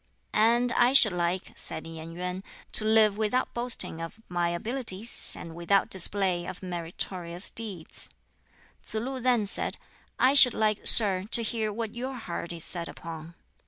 "And I should like," said Yen Yuen, "to live without boasting of my abilities, and without display of meritorious deeds." Tsz lu then said, "I should like, sir, to hear what your heart is set upon."